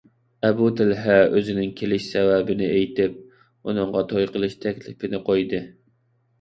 ئەبۇ تەلھە ئۆزىنىڭ كېلىش سەۋەبىنى ئېيتىپ، ئۇنىڭغا توي قىلىش تەكلىپىنى قويدى.